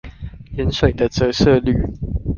鹽水的折射率